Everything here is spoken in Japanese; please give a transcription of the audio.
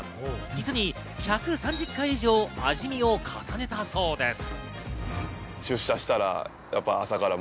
実に１３０回以上、味見を重ねたそうです。